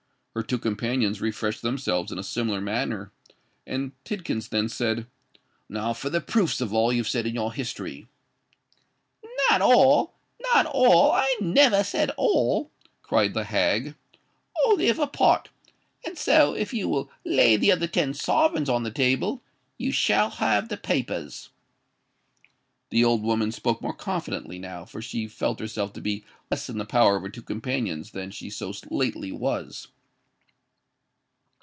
Her two companions refreshed themselves in a similar manner; and Tidkins then said, "Now for the proofs of all you've said in your history." "Not all—not all: I never said all," cried the hag; "only of a part. And so, if you will lay the other ten sovereigns on the table, you shall have the papers." The old woman spoke more confidently now; for she felt herself to be less in the power of her two companions than she so lately was.